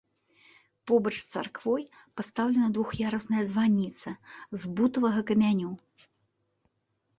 Побач з царквой пастаўлена двух'ярусная званіца з бутавага каменю.